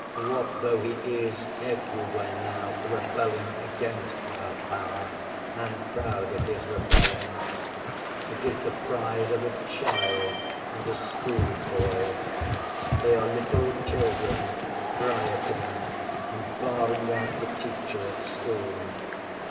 What though he is everywhere now rebelling against our power, and proud of his rebellion? It is the pride of a child and a schoolboy. They are little children rioting and barring out the teacher at school.